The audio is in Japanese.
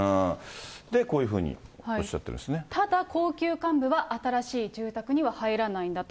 こういうふうにおっしゃってるんただ、高級幹部は新しい住宅には入らないんだと。